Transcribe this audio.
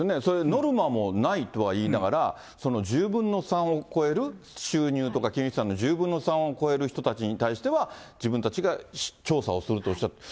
ノルマもないとは言いながら、１０分の３を超える収入とか、金融資産の１０分の３を超える人たちに対しては、自分たちが調査をするとおっしゃった。